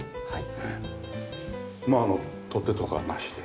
はい。